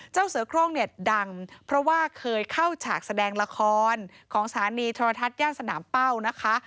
เจ้าเสือโครงเนี่ยดังเพราะว่าเคยเข้าฉากแสดงละครของสถานีโทรทัศน์ย่านสนามเป้านะคะ